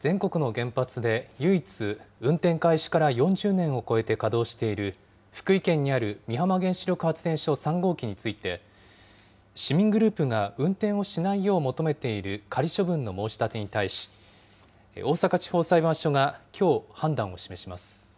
全国の原発で唯一、運転開始から４０年を超えて稼働している、福井県にある美浜原子力発電所３号機について、市民グループが運転をしないよう求めている仮処分の申し立てに対し、大阪地方裁判所がきょう、判断を示します。